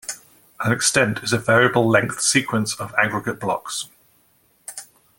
An extent is a variable-length sequence of Aggregate blocks.